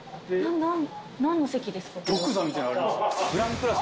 何の席ですか？